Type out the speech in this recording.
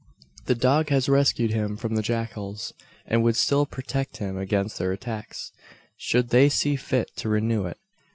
The dog had rescued him from the jackals, and would still protect him against their attacks, should they see fit to renew it.